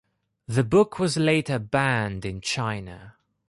The book was later banned in China.